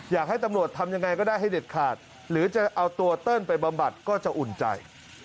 อยากให้ตำรวจทำยังไงก็ได้ให้เด็ดขาดหรือจะเอาตัวเติ้ลไปบำบัดก็จะอุ่นใจ